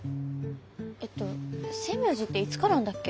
えっと星明寺っていつからあんだっけ？